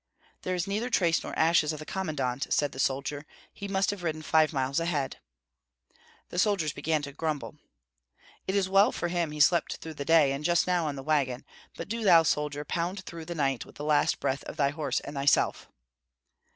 "There is neither trace nor ashes of the commandant," said the soldier; "he must have ridden five miles ahead." The soldiers began to grumble. "It is well for him he slept through the day, and just now on the wagon; but do thou, soldier, pound through the night with the last breath of thy horse and thyself!"